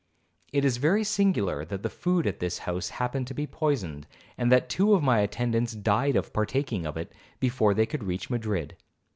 It is very singular that the food at this house happened to be poisoned, and that two of my attendants died of partaking of it before they could reach Madrid.